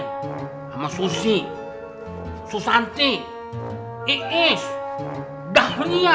sama susi susanti iis dahulu